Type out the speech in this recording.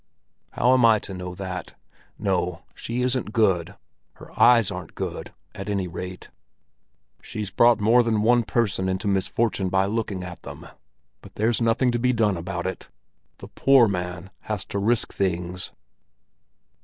"How am I to know that? No, she isn't good—her eyes aren't good, at any rate. She's brought more than one person into misfortune by looking at them. But there's nothing to be done about it; the poor man has to risk things."